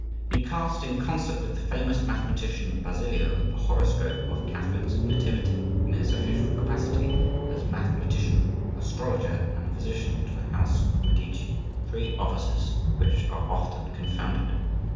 He cast, in concert with the famous mathematician, Basilio, the horoscope of Catherine's nativity, in his official capacity as mathematicion, astrologer, and physician to the house of Medici; three offices which are often confounded.